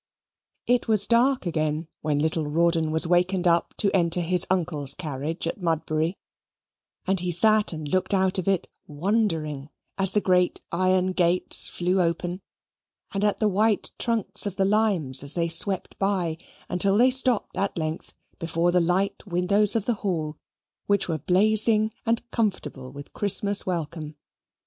It was dark again when little Rawdon was wakened up to enter his uncle's carriage at Mudbury, and he sat and looked out of it wondering as the great iron gates flew open, and at the white trunks of the limes as they swept by, until they stopped, at length, before the light windows of the Hall, which were blazing and comfortable with Christmas welcome.